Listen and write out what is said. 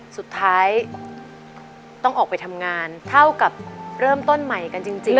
สุดท้ายต้องออกไปทำงานเท่ากับเริ่มต้นใหม่กันจริง